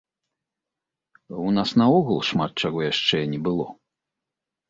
У нас наогул шмат чаго яшчэ не было.